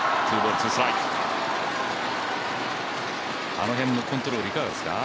あの辺のコントロールいかがですか？